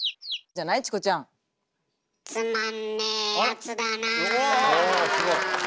あすごい。